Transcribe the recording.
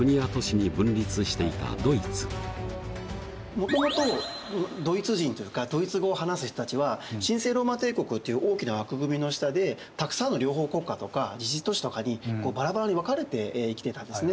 もともとドイツ人というかドイツ語を話す人たちは神聖ローマ帝国という大きな枠組みの下でたくさんの領邦国家とか自治都市とかにバラバラに分かれて生きてたんですね。